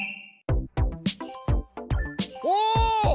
お！